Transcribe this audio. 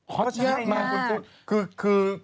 ก็เชื่อเลยคุณซูน